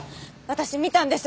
私見たんです。